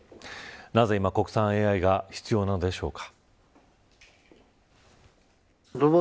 なぜ今、国産ＡＩが必要なのでしょうか。